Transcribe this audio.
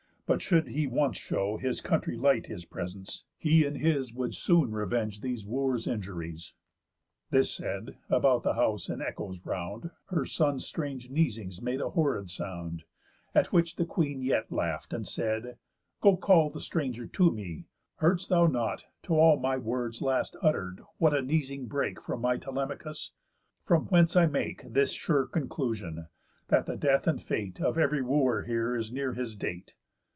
But should he once show His country light his presence, he and his Would soon revenge these Wooers' injuries." This said, about the house, in echoes round, Her son's strange neesings made a horrid sound; At which the Queen yet laugh'd, and said: "Go call The stranger to me. Heard'st thou not, to all My words last utter'd, what a neesing brake From my Telemachus? From whence I make, This sure conclusion: That the death and fate Of ev'ry Wooer here is near his date.